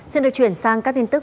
xin được chuyển sang các tin tức